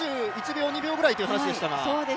７１秒、２秒ぐらいという話でしたが。